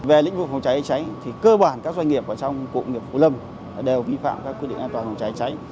về lĩnh vực phòng cháy chữa cháy thì cơ bản các doanh nghiệp trong cụm công nghiệp phú lâm đều vi phạm các quy định an toàn phòng cháy chữa cháy